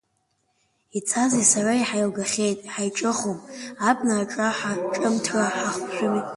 Ицази сареи ҳаилгахьеит, ҳаиҿыхом, абна аҿаҳа-ҿымҭра хәшәыми.